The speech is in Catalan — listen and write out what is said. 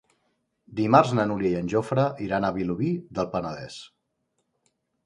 Dimarts na Núria i en Jofre iran a Vilobí del Penedès.